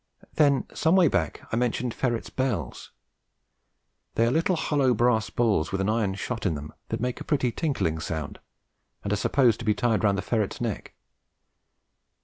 Then some way back I mentioned ferrets' bells. They are little hollow brass balls with an iron shot in them that make a pretty tinkling sound, and are supposed to be tied round the ferret's neck.